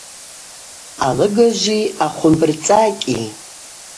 Алыгажви ахвымбырцӏакӏьи.